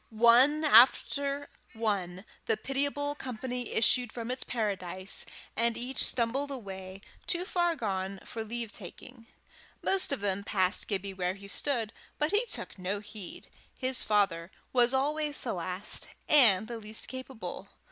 One after one the pitiable company issued from its paradise, and each stumbled away, too far gone for leave taking. Most of them passed Gibbie where he stood, but he took no heed; his father was always the last and the least capable.